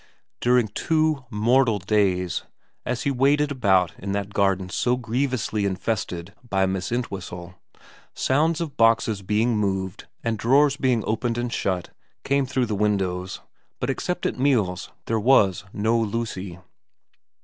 During two mortal days, as he waited about in that garden so grievously infested by Miss Entwhistle, sounds of boxes being moved and drawers being opened and shut came through the windows, but except at meals there was no Lucy.